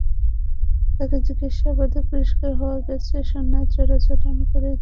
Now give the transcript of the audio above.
তাঁকে জিজ্ঞাসাবাদে পরিষ্কার হওয়া গেছে, সোনা চোরাচালান করেই তিনি বিত্তবান হয়েছেন।